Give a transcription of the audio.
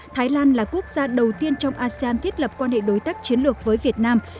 thái lan là quốc gia đầu tiên trong asean thiết lập quan hệ đối tác chiến lược với việt nam